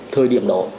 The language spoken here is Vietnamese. thời điểm đó